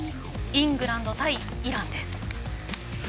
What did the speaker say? イングランド対イラン。